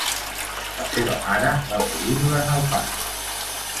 La seva mare va morir durant el part.